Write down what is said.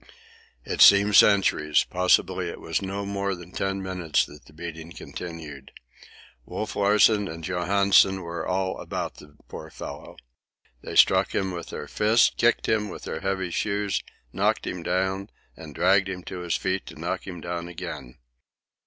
It seemed centuries—possibly it was no more than ten minutes that the beating continued. Wolf Larsen and Johansen were all about the poor fellow. They struck him with their fists, kicked him with their heavy shoes, knocked him down, and dragged him to his feet to knock him down again.